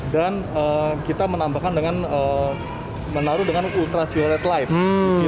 dan kita menambahkan dengan menaruh dengan ultraviolet light